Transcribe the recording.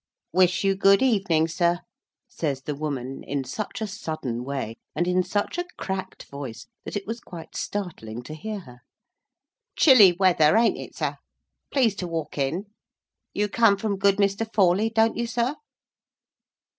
"Wish you good evening, sir," says the woman, in such a sudden way, and in such a cracked voice, that it was quite startling to hear her. "Chilly weather, ain't it, sir? Please to walk in. You come from good Mr. Forley, don't you, sir?"